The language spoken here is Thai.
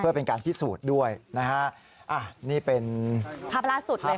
เพื่อเป็นการพิสูจน์ด้วยนะฮะอ่ะนี่เป็นภาพล่าสุดเลยค่ะ